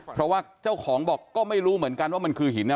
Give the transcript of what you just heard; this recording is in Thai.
เพราะว่าเจ้าของบอกก็ไม่รู้เหมือนกันว่ามันคือหินนะ